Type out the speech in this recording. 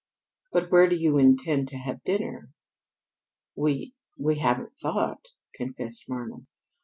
"But where do you intend to have dinner?" "We we haven't thought," confessed Marna.